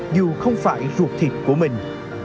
dù không phải ruột thịt của mình